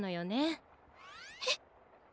えっ？